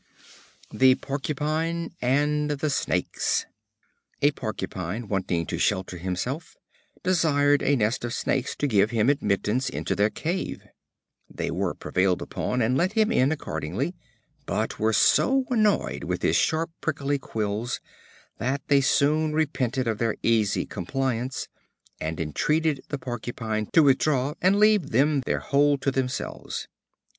The Porcupine and the Snakes. A Porcupine, wanting to shelter himself, desired a nest of Snakes to give him admittance into their cave. They were prevailed upon, and let him in accordingly; but were so annoyed with his sharp prickly quills that they soon repented of their easy compliance, and entreated the Porcupine to withdraw, and leave them their hole to themselves.